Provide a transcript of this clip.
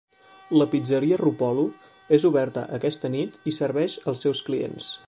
La pizzeria Roppolo és oberta aquesta nit i serveix els seus clients